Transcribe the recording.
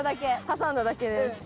挟んだだけです。